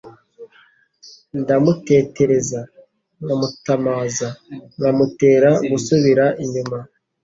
Ndamutetereza nkamutamaza, Nkamutera gusubira inyuma